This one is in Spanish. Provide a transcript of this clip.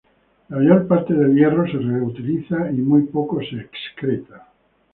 La mayor parte del hierro se reutiliza y muy poco se excreta.